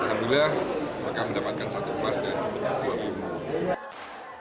alhamdulillah mereka mendapatkan satu kelas dan dua miliar